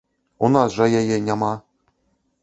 У нас жа яе няма.